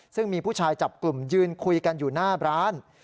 ซึ่งมีผู้ชายจับกลุ่มยืนคุยกันอยู่หน้าร้าน